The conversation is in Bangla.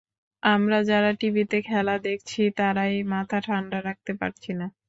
আমরা যারা টিভিতে খেলা দেখছি, তারাই মাথা ঠান্ডা রাখতে পারছি না।